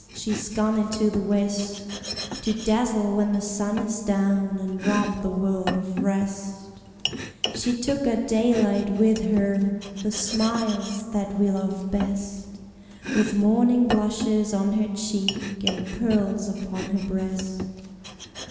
she's gone into the west, To dazzle when the sun is down, and rob the world of rest; She took our daylight with her, the smiles that we love best, With morning blushes on her cheek, and pearls upon her breast.